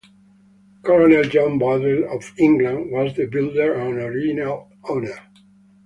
Colonel John Butler of England was the builder and original owner.